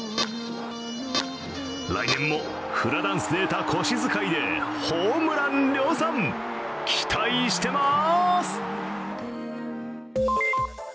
来年もフラダンスで得た腰使いでホームラン量産、期待してます。